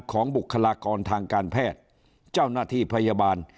บุคลากรทางการแพทย์เจ้าหน้าที่พยาบาล